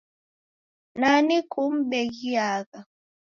Nani kum'beng'iagha?